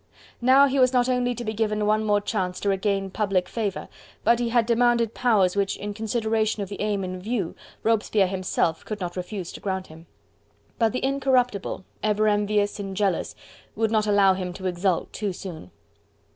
Now he was not only to be given one more chance to regain public favour, but he had demanded powers which in consideration of the aim in view, Robespierre himself could not refuse to grant him. But the Incorruptible, ever envious and jealous, would not allow him to exult too soon.